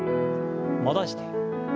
戻して。